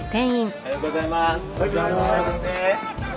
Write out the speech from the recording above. おはようございます。